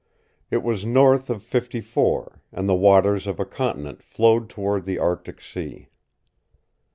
It was north of Fifty Four, and the waters of a continent flowed toward the Arctic Sea.